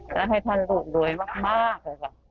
และให้ท่านรุ่นรวยมาก